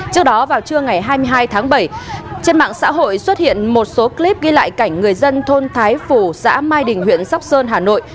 trước đó vào trưa ngày hai mươi hai tháng bảy trên mạng xã hội xuất hiện một số clip ghi lại cảnh người dân thôn thái phù xã mai đình huyện sóc sơn hà nội